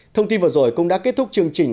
thông tin vừa rồi cũng đã kết thúc chương trình